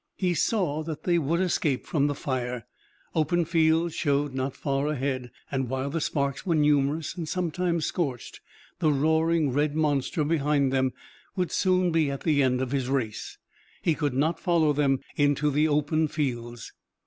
He saw that they would escape from the fire. Open fields showed not far ahead, and while the sparks were numerous and sometimes scorched, the roaring red monster behind them would soon be at the end of his race. He could not follow them into the open fields.